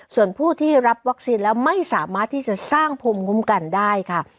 ส่วนผู้ที่รับวัคซีนแล้วไม่สามารถที่จะสร้างภูมิคุ้มกันได้ค่ะ